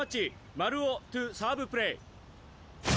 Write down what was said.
丸尾・トゥ・サーブプレー！